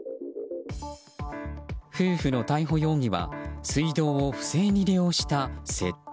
夫婦の逮捕容疑は水道を不正に利用した窃盗。